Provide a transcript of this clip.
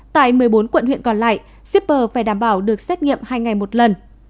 tại một mươi bốn quận huyện còn lại shipper phải đảm bảo được xét nghiệm hai ngày một lần